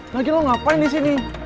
lagi lo ngapain di sini